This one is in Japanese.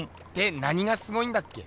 何がすごいんだっけ？